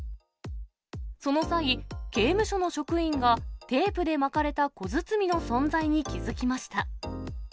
その際、刑務所の職員がテープで巻かれた小包の存在に気付きました。